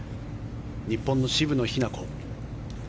日本の渋野日向子。